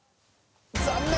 残念！